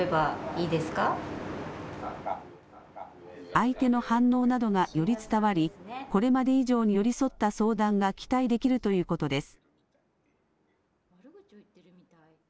相手の反応などがより伝わり、これまで以上に寄り添った相談が期待できるということです。